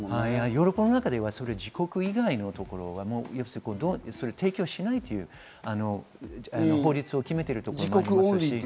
ヨーロッパの中では自国以外のところには提供しないという法律を決めているところもあります。